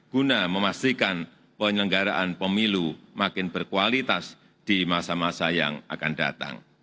guna memastikan penyelenggaraan pemilu makin berkualitas di masa masa yang akan datang